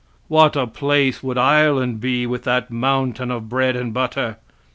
What a place would Ireland be with that mountain of bread and butter!